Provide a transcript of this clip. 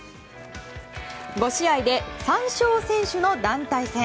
５試合で３勝先取の団体戦。